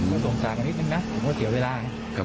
อืมก็สงสารกันนิดนึงนะเดี๋ยวเวลาครับ